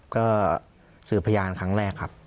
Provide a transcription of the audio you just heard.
ก็สื่อพยานครั้งแรก